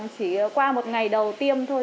chỉ qua một ngày đầu tiêm thôi